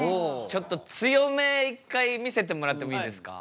ちょっと強め一回見せてもらってもいいですか？